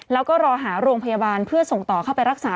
แล้วก็รอหาโรงพยาบาลเพื่อส่งต่อเข้าไปรักษา